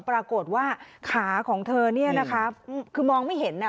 ปรากฏว่าขาของเธอเนี่ยนะคะคือมองไม่เห็นน่ะ